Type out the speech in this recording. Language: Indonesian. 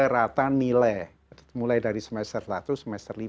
rata nilai mulai dari semester satu semester lima